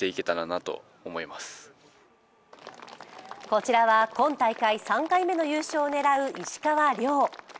こちらは今大会３回目の優勝を狙う石川遼。